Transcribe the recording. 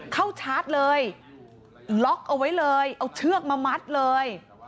ชาร์จเลยล็อกเอาไว้เลยเอาเชือกมามัดเลย